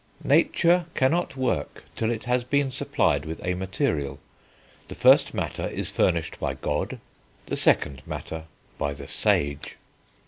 "Nature cannot work till it has been supplied with a material: the first matter is furnished by God, the second matter by the sage."